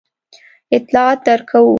اطلاعات درکوو.